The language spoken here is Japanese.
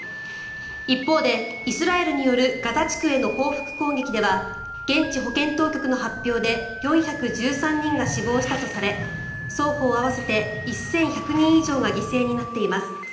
一方で、イスラエルによるガザ地区への報復攻撃では現地保健当局の発表で４１３人が死亡したとされ双方合わせて１１００人以上が犠牲になっています。